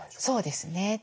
そうですね。